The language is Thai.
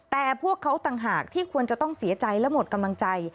แต่พวกเขาต่างหากที่ควรจะต้องเสียใจและหมดกำลังใจ